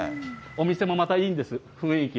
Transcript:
お店もまたいいんです、雰囲気。